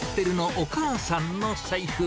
お母さんの財布。